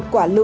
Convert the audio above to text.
một quả lượng